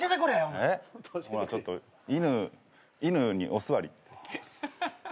ほなちょっと犬にお座りって。